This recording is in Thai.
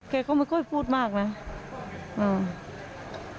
เขาก็ไม่ค่อยพูดมากนะ